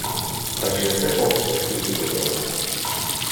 Takže se o uprchlíky podělme.